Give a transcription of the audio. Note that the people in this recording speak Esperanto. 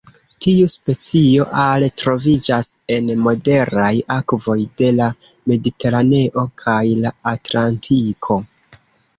Tiu specio are troviĝas en moderaj akvoj de la Mediteraneo kaj la Atlantiko.